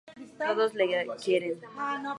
Todos le quieren.